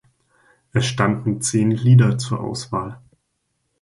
Es standen zehn Lieder zur Auswahl.